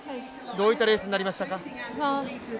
どういったレースになりましたか。